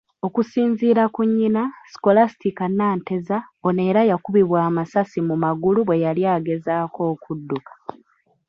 Okusinziira ku nnyina, Scholastica Nanteza, ono era yakubibwa amasasi mu magulu bweyali agezaako okudduka.